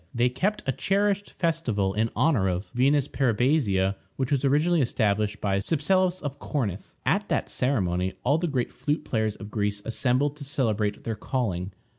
They kept a cherished festival in honor of Venus Peribasia, which was originally established by Cypselus of Corinth. At that ceremony all the great flute players of Greece assembled to celebrate their calling.